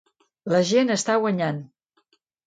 La gent està guanyant.